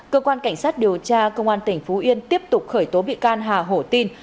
cơ quan cảnh sát điều tra công an tỉnh phú yên tiếp tục khởi tố bị can hà hổ tin